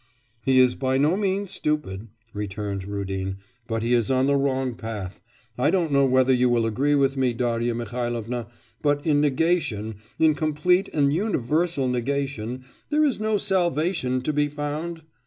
'He is by no means stupid,' returned Rudin, 'but he is on the wrong path. I don't know whether you will agree with me, Darya Mihailovna, but in negation in complete and universal negation there is no salvation to be found?